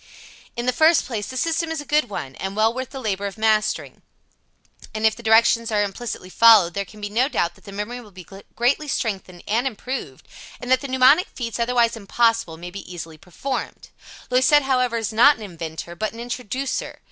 In the first place, the system is a good one, and well worth the labor of mastering, and if the directions are implicitly followed there can be no doubt that the memory will be greatly strengthened and improved, and that the mnemonic feats otherwise impossible may be easily performed. Loisette, however, is not an inventor, but an introducer.